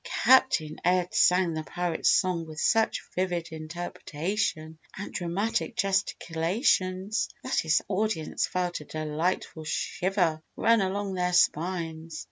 Captain Ed sang the pirate's song with such vivid interpretation and dramatic gesticulations that his audience felt a delightful shiver run along their spines.